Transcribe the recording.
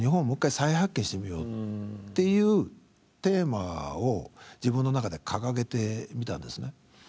もう一回再発見してみようっていうテーマを自分の中で掲げてみたんですね。